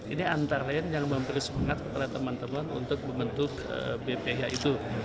ini antara lain yang memberi semangat kepada teman teman untuk membentuk bph itu